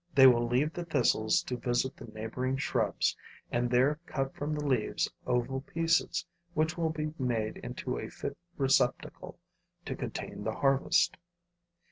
They will leave the thistles to visit the neighboring shrubs and there cut from the leaves oval pieces which will be made into a fit receptacle to contain the harvest.